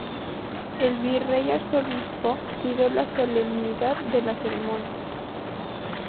El virrey-arzobispo cuidó la solemnidad de las ceremonias.